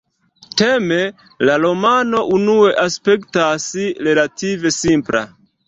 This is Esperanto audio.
Teme, la romano unue aspektas relative simpla.